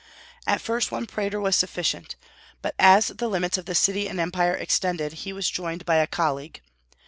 At first one praetor was sufficient, but as the limits of the city and empire extended, he was joined by a colleague.